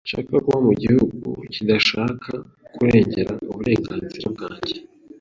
Sinshaka kuba mu gihugu kidashaka kurengera uburenganzira bwanjye